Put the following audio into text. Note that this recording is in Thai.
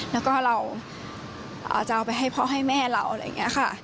แล้วก็เราจะเอาไปให้พ่อให้แม่เราอะไรอย่างนี้ค่ะ